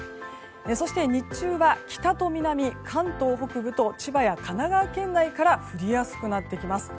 そして日中は北と南、関東北部と千葉や神奈川県内から降りやすくなってきます。